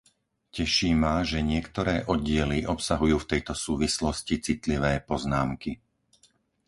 Teší ma, že niektoré oddiely obsahujú v tejto súvislosti citlivé poznámky.